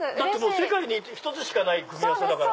世界に一つしかない組み合わせだから。